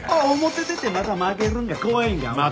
表出てまた負けるんが怖いんか？